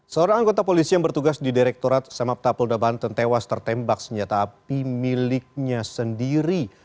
seorang anggota polisi yang bertugas di direktorat samapta polda banten tewas tertembak senjata api miliknya sendiri